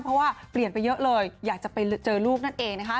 เพราะว่าเปลี่ยนไปเยอะเลยอยากจะไปเจอลูกนั่นเองนะคะ